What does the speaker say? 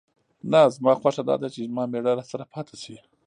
نه، زما خوښه دا ده چې زما مېړه راسره پاتې شي.